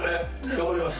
頑張ります